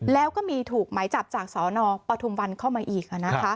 แล้วก็มีถูกไหมจับจากสนปฐุมวันเข้ามาอีก